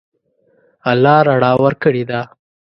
الله رڼا ورکړې ده.